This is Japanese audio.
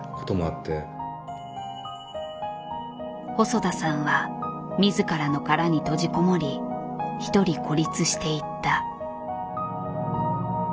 細田さんは自らの殻に閉じ籠もり一人孤立していった。